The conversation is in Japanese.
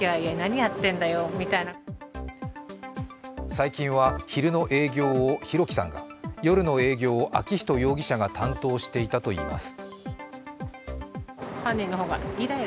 最近は昼の営業を弘輝さんが、夜の営業を昭仁容疑者が担当していたといいます。